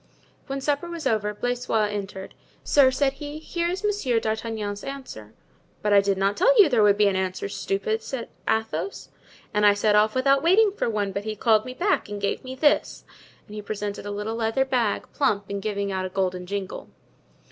When supper was over Blaisois entered. "Sir," said he, "here is Monsieur d'Artagnan's answer." "But I did not tell you there would be an answer, stupid!" said Athos. "And I set off without waiting for one, but he called me back and gave me this;" and he presented a little leather bag, plump and giving out a golden jingle.